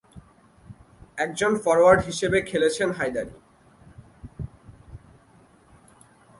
একজন ফরোয়ার্ড হিসেবে খেলছেন হায়দরি।